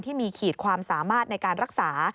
ที่มีขีดความสามารถในการรักษา